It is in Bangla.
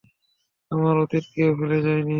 আমার অতীতকে ভুলে যাইনি।